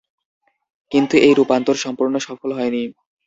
কিন্তু এই রূপান্তর সম্পূর্ণ সফল হয়নি।